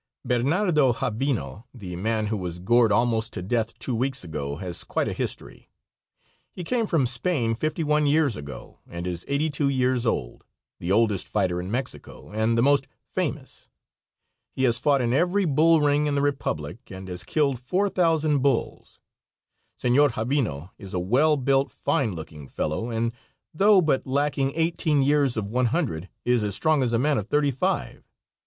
Bernardo Javino, the man who was gored almost to death two weeks ago, has quite a history. He came from Spain fifty one years ago, and is eighty two years old, the oldest fighter in Mexico, and the most famous. He has fought in every bull ring in the Republic, and has killed four thousand bulls. Senor Javino is a well built, fine looking fellow, and though but lacking eighteen years of one hundred is as strong as a man of thirty five.